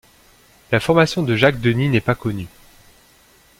La formation de Jacques-Denis n’est pas connue.